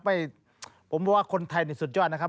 ผมว่าคนไทยนี่สุดยอดนะครับ